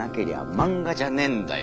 漫画じゃねーんだよ。